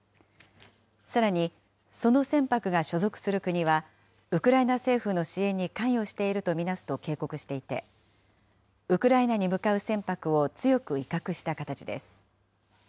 さらに、その船舶が所属する国は、ウクライナ政府の支援に関与していると見なすと警告していて、ウクライナに向かう船舶を強く威嚇した形です。